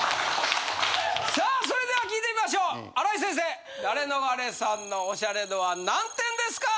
さあそれでは聞いてみましょう荒井先生ダレノガレさんのオシャレ度は何点ですか。